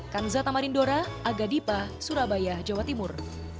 kanza tamarindora aga dipa surabaya jawa timur